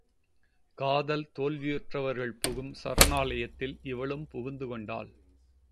காதல் தோல்வியுற்றவர்கள் புகும் சரணாலயத்தில் இவளும் புகுந்து கொண்டாள்.